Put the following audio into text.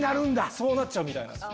そうなっちゃうみたいです。